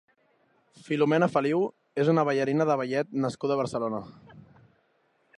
Filomena Feliu és una ballarina de ballet nascuda a Barcelona.